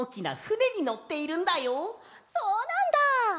そうなんだ！